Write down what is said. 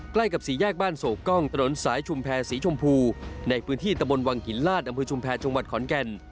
ใกล้กับสี่แยกบ้านโศกกล้องตสชุมแพรสีชมพูในพื้นที่ตมวงหินลาดอชุมแพรจขอนแก่น